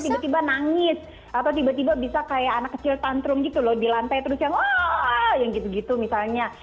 tiba tiba nangis atau tiba tiba bisa kayak anak kecil tantrum gitu loh di lantai terus yang wah yang gitu gitu misalnya